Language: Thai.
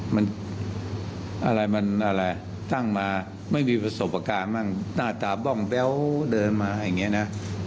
มันอะไรมันอะไรตั้งมาไม่มีประสบการณ์บ้างหน้าตาบ้องแบ๊วเดินมาอย่างนี้นะ